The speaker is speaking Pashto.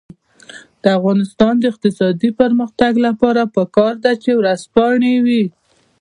د افغانستان د اقتصادي پرمختګ لپاره پکار ده چې ورځپاڼې وي.